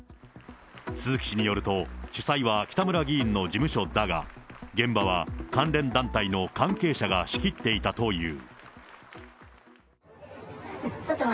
鈴木氏によると、主催は北村議員の事務所だが、現場は関連団体の関係者が仕切っていたという。